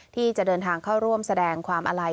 ที่จะเดินทางเข้าร่วมแสดงความอาลัย